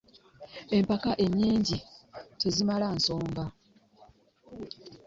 Empaka ennyingi tesimala nsonga.